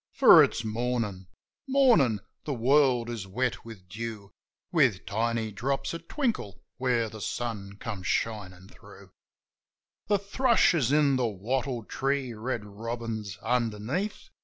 For it's Mornin' ! Mornin' ! The world is wet with dew, With tiny drops a twinkle where the sun comes shinin' thro'. The thrush is in the wattle tree, red robin's underneath.